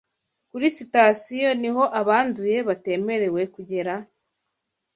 Kuri sitasiyo, niho abanduye batemerewe kugera?